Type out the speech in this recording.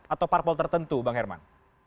atau parpol tertentu bang herman